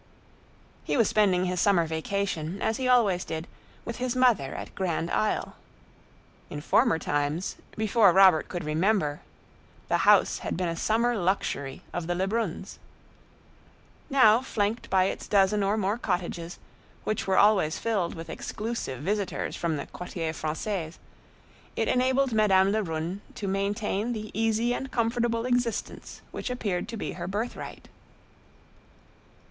He was spending his summer vacation, as he always did, with his mother at Grand Isle. In former times, before Robert could remember, "the house" had been a summer luxury of the Lebruns. Now, flanked by its dozen or more cottages, which were always filled with exclusive visitors from the "Quartier Français," it enabled Madame Lebrun to maintain the easy and comfortable existence which appeared to be her birthright.